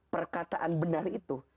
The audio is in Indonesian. perkataan benar itu